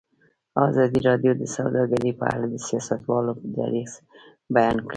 ازادي راډیو د سوداګري په اړه د سیاستوالو دریځ بیان کړی.